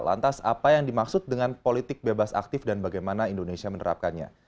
lantas apa yang dimaksud dengan politik bebas aktif dan bagaimana indonesia menerapkannya